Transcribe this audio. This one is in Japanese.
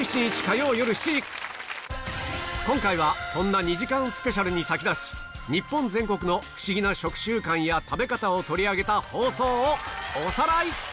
今回はそんな２時間スペシャルに先立ち日本全国のフシギな食習慣や食べ方を取り上げた放送をおさらい